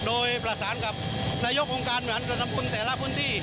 โดยประสานกับนายกองการเหมือนกระทำคุณแต่ละพื้นที่